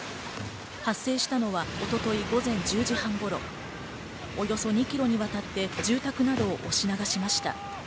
発生したのは一昨日午前１０時半頃、およそ２ｋｍにわたって住宅などを押し流しました。